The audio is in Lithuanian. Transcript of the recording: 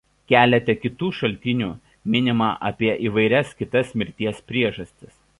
Kelete kitų šaltinių minima apie įvairias kitas mirties priežastis.